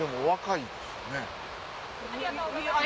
ありがとうございます。